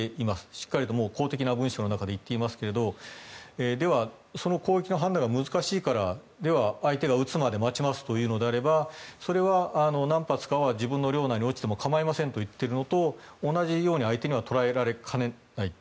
しっかりと公的な文書の中で言っていますがではその攻撃の判断が難しいから相手が撃つまで待ちますというのであれば何発かは自分の領内に落ちても構いませんと言っているのと同じように相手には捉えられかねない。